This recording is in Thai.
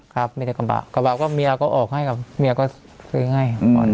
ครับมีแต่กระบะกระบะก็เมียก็ออกให้กับเมียก็ซื้อให้